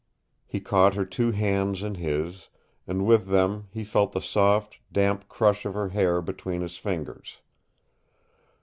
He caught her two hands in his, and with them he felt the soft, damp crush of her hair between his fingers.